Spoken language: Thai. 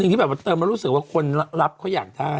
มันเติบมือมาลึกรู้สึกว่าคนรับเขาอยากได้